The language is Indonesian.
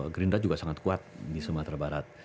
gerindra juga sangat kuat di sumatera barat